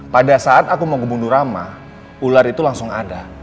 pada saat aku mau kebundurama ular itu langsung ada